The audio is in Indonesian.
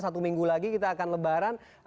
satu minggu lagi kita akan lebaran